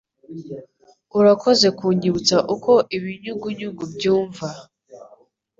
Urakoze kunyibutsa uko ibinyugunyugu byumva.